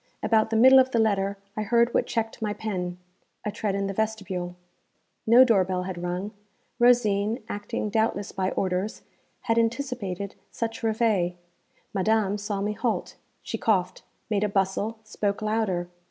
About the middle of the letter I heard what checked my pen a tread in the vestibule. No door bell had rung; Rosine acting doubtless by orders had anticipated such reveille. Madame saw me halt. She coughed, made a bustle, spoke louder.